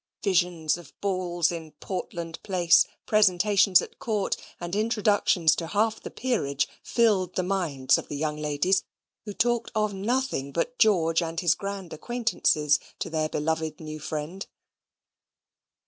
Visions of balls in Portland Place, presentations at Court, and introductions to half the peerage, filled the minds of the young ladies; who talked of nothing but George and his grand acquaintances to their beloved new friend.